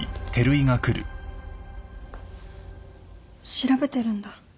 調べてるんだ。